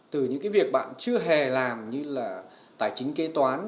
từ những cái việc bạn chưa hề làm như là tài chính kế toán